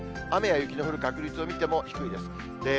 雨や雪の降る確率を見ても低いです。